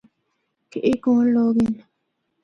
کہ اے کونڑ لوگ ہن۔